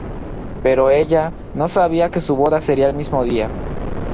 Pero, ella no sabía que su boda sería el mismo día.